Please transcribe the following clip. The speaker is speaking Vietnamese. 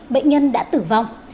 bệnh nhân đã tử vong